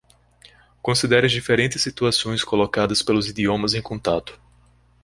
Considere as diferentes situações colocadas pelos idiomas em contato.